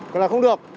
còn là không được